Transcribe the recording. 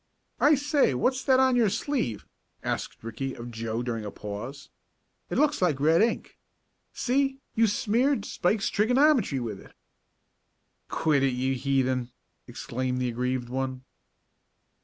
"I say, what's that on your sleeve?" asked Ricky of Joe during a pause. "It looks like red ink. See, you've smeared Spike's trigonometry with it." "Quit it, you heathen!" exclaimed the aggrieved one.